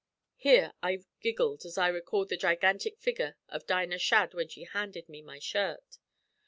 Here I giggled as I recalled the gigantic figure of Dinah Shadd when she handed me my shirt.